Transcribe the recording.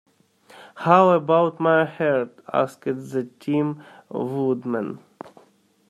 How about my heart? asked the Tin Woodman.